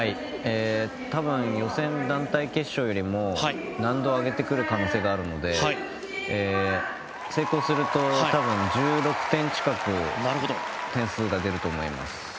多分予選や団体決勝よりも難度を上げてくる可能性があるので成功すると多分、１６点近く点数が出ると思います。